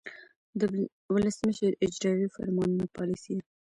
د ولسمشر اجراییوي فرمانونه پالیسي ده.